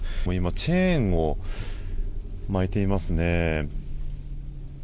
チェーンを巻いていますね。